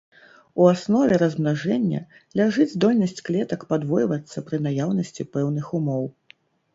У аснове размнажэння ляжыць здольнасць клетак падвойвацца пры наяўнасці пэўных умоў.